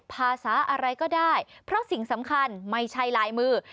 ภาษาอะไรก็ได้เพราะสิ่งสำคัญไม่ใช่ลายมือ